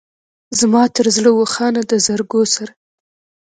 زما تر زړه و خانه د زرګو سره.